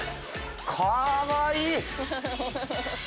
かわいい！